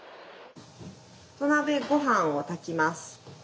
土鍋ごはんを炊きます。